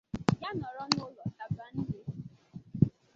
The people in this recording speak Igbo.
ya nọrọ n'ụlọ taba nri